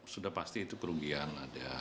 sudah pasti itu kerugian